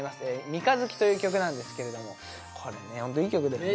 「三日月」という曲なんですけどもこれねホントいい曲だよね。